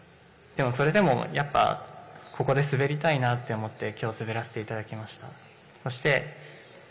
でもそれでもやっぱここで滑りたいなと思ってきょう滑らせていただきました。